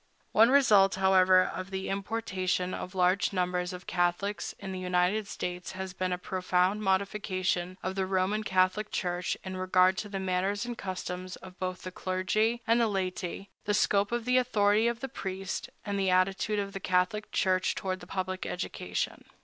One result, however, of the importation of large numbers of Catholics into the United States has been a profound modification of the Roman Catholic Church in regard to the manners and customs of both the clergy and the laity, the scope of the authority of the priest, and the attitude of the Catholic Church toward public education.